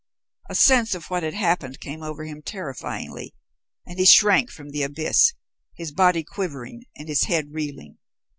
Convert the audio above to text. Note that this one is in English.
A sense of what had happened came over him terrifyingly, and he shrank from the abyss, his body quivering and his head reeling.